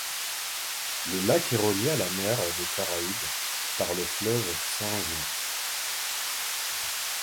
Le lac est relié à la mer des Caraïbes par le fleuve San Juan.